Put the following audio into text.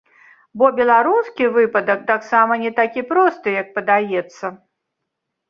Бо беларускі выпадак таксама не такі просты, як падаецца.